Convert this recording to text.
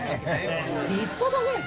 立派だねえ！